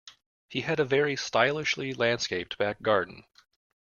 He had a very stylishly landscaped back garden